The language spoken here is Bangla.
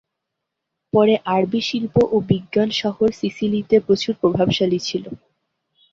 পরে আরবি শিল্প ও বিজ্ঞান শহর সিসিলিতে প্রচুর প্রভাবশালী ছিল।